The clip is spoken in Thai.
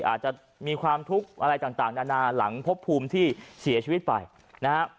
อาจจะมีความทุกข์อะไรต่างนานาหลังพบภูมิที่เสียชีวิตไปนะฮะ